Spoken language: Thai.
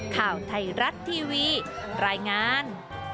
ข่าวไทยรัฐทีวีรายงาน